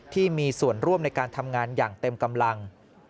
ที่มีส่วนร่วมในการทำงานอย่างเต็มกำลัง